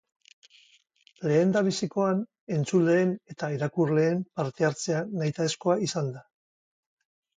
Lehendabizikoan entzuleen eta irakurleen parte-hartzea nahitaezkoa izan da.